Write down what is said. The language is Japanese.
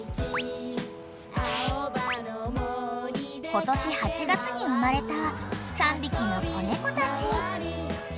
［今年８月に生まれた３匹の子猫たち］